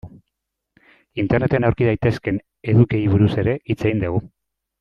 Interneten aurki daitezkeen edukiei buruz ere hitz egin dugu.